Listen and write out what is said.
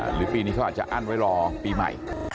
หรือปีนี้เขาอาจจะอั้นไว้รอปีใหม่